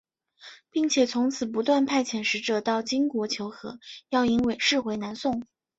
并且从此不断派遣使者到金国求和要迎韦氏回南宋。